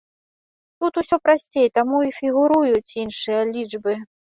Тут усё прасцей, таму і фігуруюць іншыя лічбы.